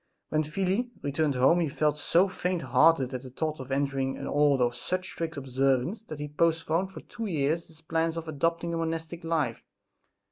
When Felix returned home he felt so faint hearted at the thought of entering an order of such strict observance that he postponed for two years his plan of adopting the monastic life.